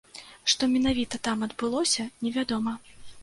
Што менавіта там адбылося, невядома.